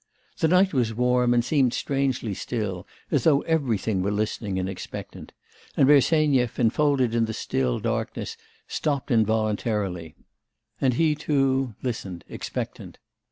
The night was warm and seemed strangely still, as though everything were listening and expectant; and Bersenyev, enfolded in the still darkness, stopped involuntarily; and he, too, listened expectant.